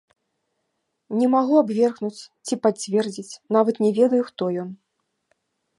Не магу абвергнуць ці пацвердзіць, нават не ведаю, хто ён.